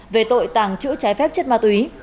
về tội tàng trữ trái phép chất ma túy